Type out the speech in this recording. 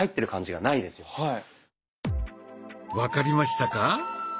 分かりましたか？